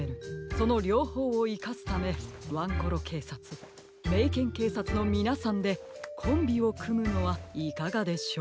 そのりょうほうをいかすためワンコロけいさつメイケンけいさつのみなさんでコンビをくむのはいかがでしょう？